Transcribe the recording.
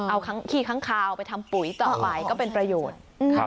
เอาขี้ค้างคาวไปทำปุ๋ยต่อไปก็เป็นประโยชน์